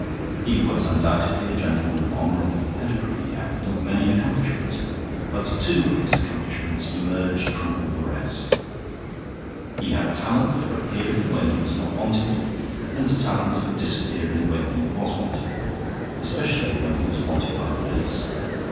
He was undoubtedly a gentleman of honorable pedigree and of many accomplishments, but two of his accomplishments emerged from all the rest. He had a talent for appearing when he was not wanted and a talent for disappearing when he was wanted, especially when he was wanted by the police.